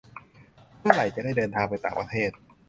เมื่อไหร่จะได้เดินทางไปต่างประเทศ